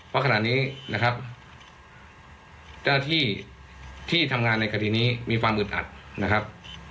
เพราะขณะนี้นะครับเจ้าที่ที่ทำงานในคดีนี้มีความอึดอัดนะครับ